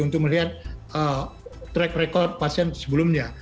untuk melihat track record pasien sebelumnya